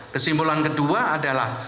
kesimpulan kedua adalah